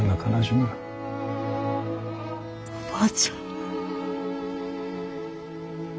おばあちゃん。